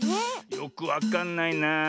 よくわかんないな。